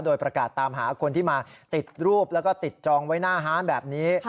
โดยประกาศตามหาคนที่มาติดรูปแล้วก็ติดจองไว้หน้าฮานแบบนี้